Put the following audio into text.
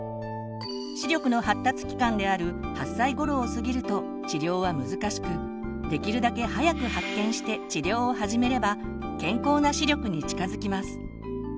視力の発達期間である８歳頃を過ぎると治療は難しくできるだけ早く発見して治療を始めれば健康な視力に近づきます。